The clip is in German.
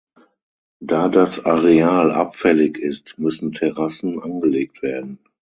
Da das Areal abfällig ist, müssen Terrassen angelegt werden.